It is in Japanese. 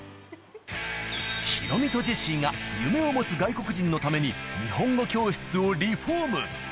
ヒロミとジェシーが、夢を持つ外国人のために、日本語教室をリフォーム。